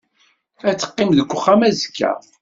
Ad teqqim deg uxxam azekka.